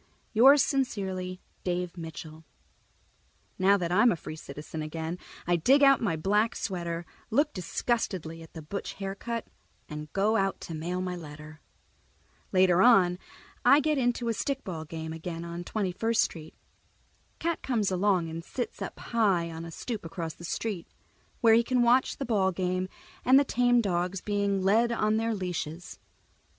_ Yours sincerely, Dave Mitchell Now that I'm a free citizen again, I dig out my black sweater, look disgustedly at the butch haircut, and go out to mail my letter. Later on I get into a stickball game again on Twenty first Street. Cat comes along and sits up high on a stoop across the street, where he can watch the ball game and the tame dogs being led by on their leashes.